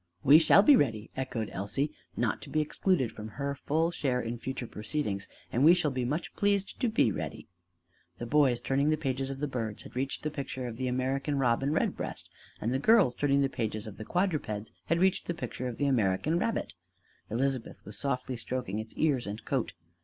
"We shall be ready," echoed Elsie, not to be excluded from her full share in future proceedings, "and we shall be much pleased to be ready!" The boys turning the pages of the Birds had reached the picture of the American robin redbreast; and the girls turning the pages of the Quadrupeds had reached the picture of the American rabbit; Elizabeth was softly stroking its ears and coat.